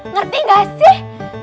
ngerti nggak sih